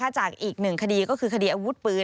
จากอีกหนึ่งคดีก็คือคดีอาวุธปืน